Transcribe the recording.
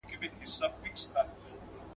ماشوم نه غوښتل چې لاړ شي.